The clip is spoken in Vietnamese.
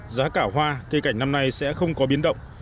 giá cả hoa cây cảnh năm nay sẽ không có biến động